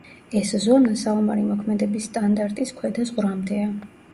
ეს ზონა, საომარი მოქმედების სტანდარტის ქვედა ზღვრამდეა.